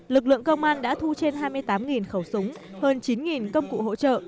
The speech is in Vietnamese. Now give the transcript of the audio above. lực lượng công an đã thu trên hai mươi tám khẩu súng hơn chín công cụ hỗ trợ